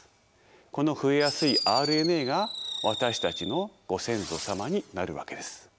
この増えやすいＲＮＡが私たちのご先祖様になるわけです。